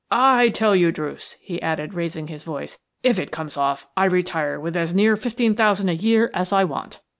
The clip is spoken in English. I tell you, Druce," he added, raising his voice, "if it comes off I retire with as near fifteen thousand a year as I want."